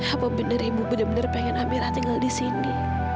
apa benar ibu benar benar pengen amirah tinggal di sini